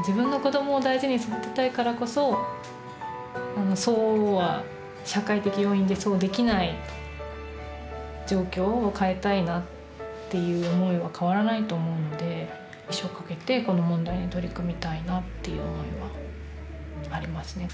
自分の子どもを大事に育てたいからこそそうは社会的要因でそうできない状況を変えたいなっていう思いは変わらないと思うんで一生かけてこの問題に取り組みたいなっていう思いはありますね。